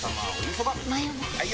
・はい！